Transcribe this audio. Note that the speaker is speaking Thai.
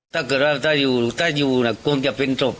ถ้าเกิดว่าถ้าอยู่ถ้าอยู่คงจะเป็นศพ